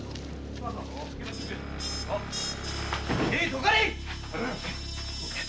どかれい！